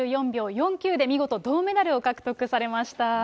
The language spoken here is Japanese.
３４秒４９で、見事、銅メダルを獲得されました。